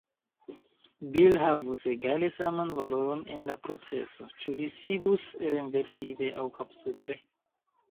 "Bil" havus egale saman valoron en la proceso, ĉu li sidus renversite aŭ kapsupre.